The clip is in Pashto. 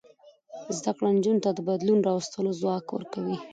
زده کړه نجونو ته د بدلون راوستلو ځواک ورکوي.